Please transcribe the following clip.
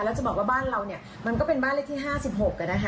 แล้วจะบอกว่าบ้านเราเนี่ยมันก็เป็นบ้านเลขที่๕๖นะคะ